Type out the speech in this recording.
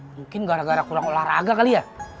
mungkin gara gara kurang olahraga kali ya